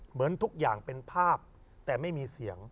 เหมือนทุกอย่างเป็นภาพแต่ไม่มีเสียง